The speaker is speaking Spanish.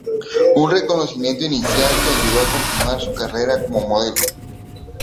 Un reconocimiento inicial que ayudó a continuar su carrera como modelo.